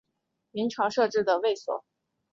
明朝设置的卫所。